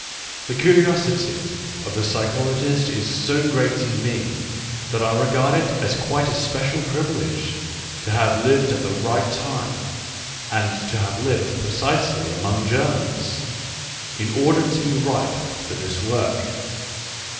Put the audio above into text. The curiosity of the psychologist is so great in me, that I regard it as quite a special privilege to have lived at the right time, and to have lived precisely among Germans, in order to be ripe for this work.